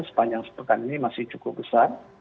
sepanjang sepekan ini masih cukup besar